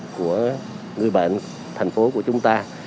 của người bệnh thành phố của chúng ta